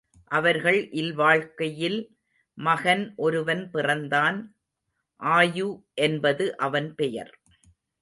அவர்கள் இல்வாழ்க்கையில் மகன் ஒருவன் பிறந்தான் ஆயு என்பது அவன் பெயர்.